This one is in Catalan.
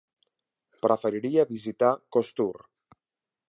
Preferiria visitar Costur.